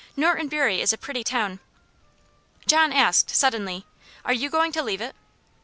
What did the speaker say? "Norton Bury is a pretty town." John asked, suddenly "Are you going to leave it?"